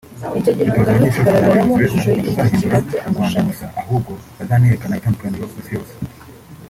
Dutoza abanyeshuri kuzaba abayobozi beza batazahindura u Rwanda gusa ahubwo bazanerekana itandukaniro ku Isi yose